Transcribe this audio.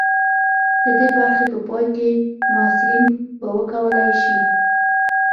د دې برخې په پای کې محصلین به وکولی شي.